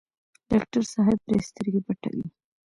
ډاکټر صاحب پرې سترګې پټوي.